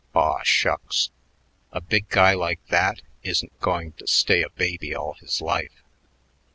"Aw, shucks. A big guy like that isn't going to stay a baby all his life."